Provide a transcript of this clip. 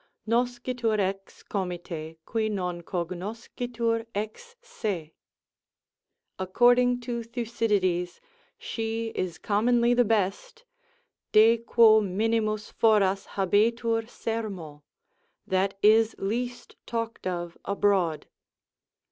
Noscitur ex comite, qui non cognoscitur ex se. According to Thucydides, she is commonly the best, de quo minimus foras habetur sermo, that is least talked of abroad.